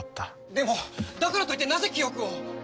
でもだからといってなぜ記憶を。